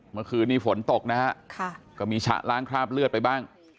เมื่อคืนนี้ฝนตกนะฮะก็มีฉะล้างคราบเลือดไปบ้าง